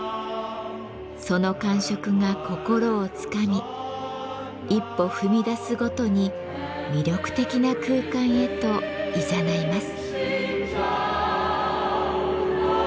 その感触が心をつかみ一歩踏み出すごとに魅力的な空間へといざないます。